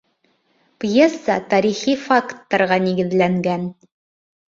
Пьеса тарихи факттарға нигеҙләнгән